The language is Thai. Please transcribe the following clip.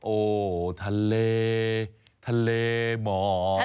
โอ้ทะเลทะเลหมอก